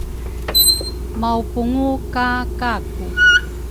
maupungu ka Kaku.